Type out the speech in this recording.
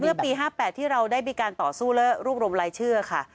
เมื่อปี๕๘ที่เราได้มีการต่อสู้และรวบรวมรายชื่อค่ะ